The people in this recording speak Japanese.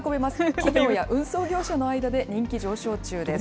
企業や運送業者の間で人気上昇中です。